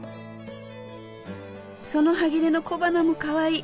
そのハギレの小花もかわいい。